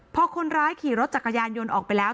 พอคนร้ายขี่รถจักรยานยนต์ออกไปแล้ว